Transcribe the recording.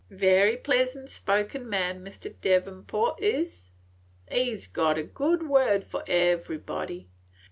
Very pleasant spoken man Mr. Devenport is; he 's got a good word for everybody.